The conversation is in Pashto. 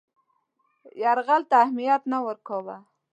یرغل ته اهمیت نه ورکاوه.